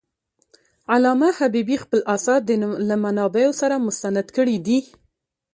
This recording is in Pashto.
علامه حبيبي خپل آثار له منابعو سره مستند کړي دي.